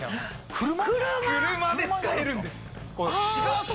車で使えるんです。